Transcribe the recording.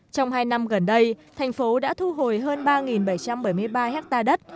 trong hai năm gần đây thành phố đã thu hồi hơn ba bảy trăm bảy mươi ba hectare đất